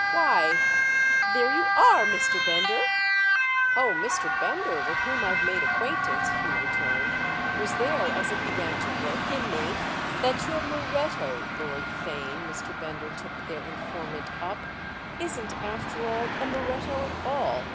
"Why, there you are, Mr. Bender!" "Oh, Mr. Bender, with whom I've made acquaintance," Hugh returned, "was there as it began to work in me—" "That your Moretto, Lord Theign"—Mr. Bender took their informant up—"isn't, after all, a Moretto at all."